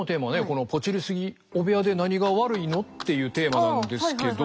この「ポチりすぎ！？汚部屋で何が悪いの？」っていうテーマなんですけど。